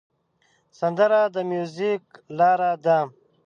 سندره د میوزیک لاره ده